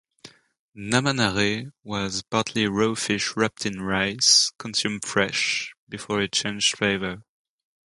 "Namanare" was partly raw fish wrapped in rice, consumed fresh, before it changed flavor.